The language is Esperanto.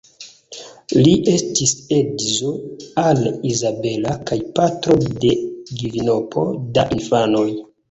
Li estis edzo al Izabela kaj patro de kvinopo da infanoj.